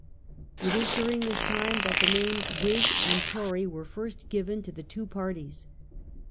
It is during this Tones, 1660. tjme that the names AMiig and Tory were first given to the two parties.